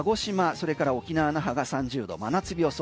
それから沖縄の那覇３０度、真夏日予想。